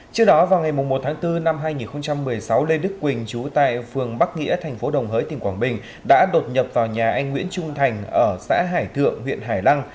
trước đó vào ngày một tháng bốn năm hai nghìn một mươi sáu lê đức quỳnh chú tại phường bắc nghĩa thành phố đồng hới tỉnh quảng bình đã đột nhập vào nhà anh nguyễn trung thành ở xã hải thượng huyện hải lăng